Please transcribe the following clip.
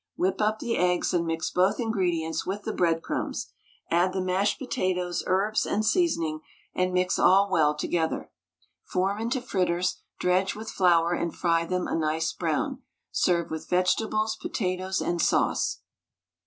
Whip up the eggs and mix both ingredients with the breadcrumbs; add the mashed potatoes, herbs, and seasoning, and mix all well together. Form into fritters, dredge with flour, and fry them a nice brown. Serve with vegetables, potatoes, and sauce.